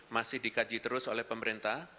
masih dikaji terus oleh pemerintah